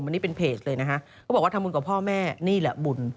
วันนี้เป็นเพจเลยนะฮะเขาบอกว่าทำบุญกับพ่อแม่นี่แหละบุญ